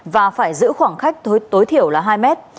và phải giữ khoảng khách tối thiểu là hai mét